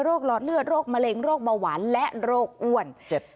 หลอดเลือดโรคมะเร็งโรคเบาหวานและโรคอ้วน